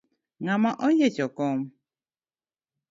Ngama oyiecho kom?